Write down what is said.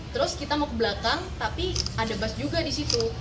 terus kita mau ke belakang tapi ada bus juga di situ